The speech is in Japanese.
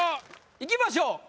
いきましょう。